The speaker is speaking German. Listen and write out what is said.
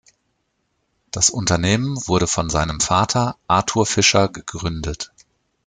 Das Unternehmen wurde von seinem Vater, Artur Fischer, gegründet.